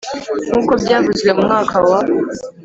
Nk’uko byavuzwe, mu mwaka wa